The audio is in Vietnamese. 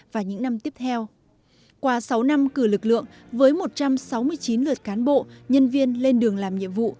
hai nghìn một mươi bốn hai nghìn hai mươi và những năm tiếp theo qua sáu năm cử lực lượng với một trăm sáu mươi chín lượt cán bộ nhân viên lên đường làm nhiệm vụ